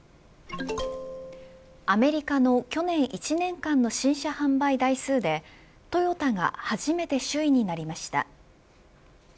アメリカの去年１年間の新車販売台数でトヨタが初めて首位になりました。